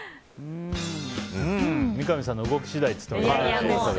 三上さんの動き次第って言ってましたね。